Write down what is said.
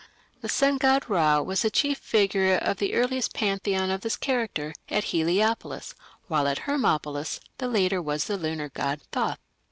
The sun god Ra was the chief figure of the earliest pantheon of this character at Heliopolis, while at Hermopolis the leader was the lunar god Thoth.